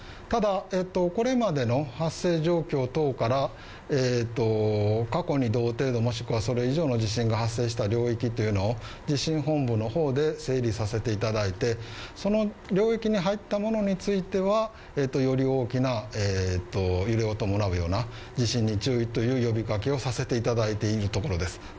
ただ、これまでの発生状況等から、過去に同程度もしくはそれ以上の地震が発生した領域というのを地震本部の方で整理させていただいて、その領域に入ったものについてはより大きないろいろ伴うような地震に注意という呼びかけをさせていただいているところです